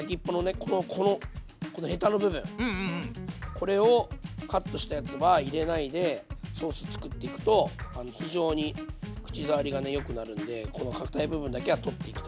これをカットしたやつは入れないでソースつくっていくと非常に口触りがねよくなるんでこのかたい部分だけは取っていきたいと思います。